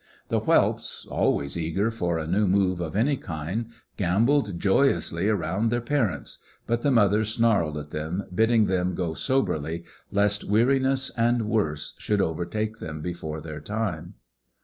The whelps, always eager for a new move of any kind, gambolled joyously around their parents, but the mothers snarled at them, bidding them go soberly, lest weariness and worse should overtake them before their time.